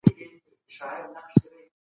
خان سهار وو